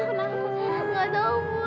gak tau bu